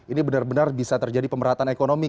ini benar benar bisa terjadi pemerataan ekonomi